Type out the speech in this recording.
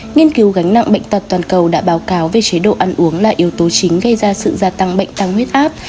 nghiên cứu gánh nặng bệnh tật toàn cầu đã báo cáo về chế độ ăn uống là yếu tố chính gây ra sự gia tăng bệnh tăng huyết áp